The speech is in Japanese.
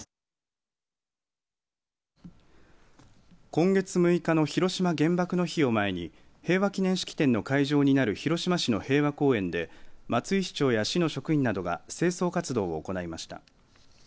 今月６日の広島原爆の日を前に平和記念式典の会場になる広島市の平和公園で松井市長や市の職員などが清掃活動を行いました。